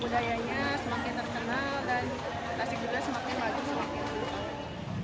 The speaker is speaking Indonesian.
budayanya semakin terkenal dan tasik juga semakin bagus